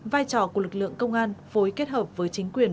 vai trò của lực lượng công an phối kết hợp với chính quyền